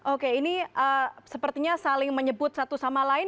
oke ini sepertinya saling menyebut satu sama lain